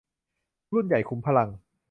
รุ่นใหญ่ขุมพลัง